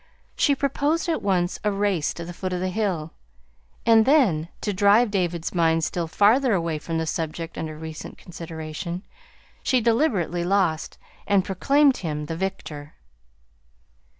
She proposed at once a race to the foot of the hill; and then, to drive David's mind still farther away from the subject under recent consideration, she deliberately lost, and proclaimed him the victor.